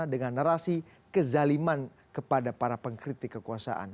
dengan narasi kezaliman kepada para pengkritik kekuasaan